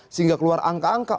sehingga keluar angka angka